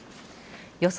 予想